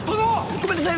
ごめんなさい！